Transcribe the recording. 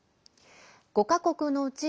５か国のうち